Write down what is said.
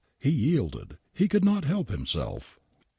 I He yielded, he could not help himself.